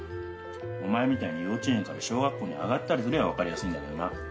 お前みたいに幼稚園から小学校に上がったりすりゃわかりやすいんだけどな。